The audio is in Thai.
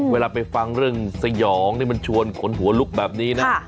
เวลาไปฟังเรื่องสยองนี่มันชวนขนหัวลุกแบบนี้นะ